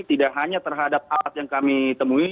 tidak hanya terhadap alat yang kami temui